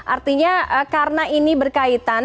artinya karena ini berkaitan